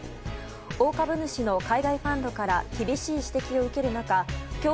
大株主の海外ファンドから厳しい指摘を受ける中